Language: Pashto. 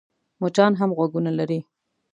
مچان هم غوږونه لري .